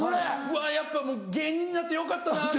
うわやっぱもう芸人になってよかったなと。